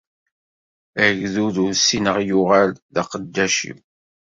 Agdud ur ssineɣ yuɣal d aqeddac-iw.